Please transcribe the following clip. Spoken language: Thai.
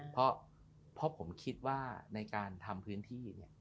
เพราะผมคิดว่าในการทำพื้นที่เนี่ย